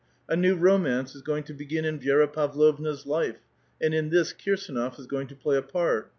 A new romance is going to. begin in Vi^ra Pavlovna's life, and in this Kir s^not* is going to play a part.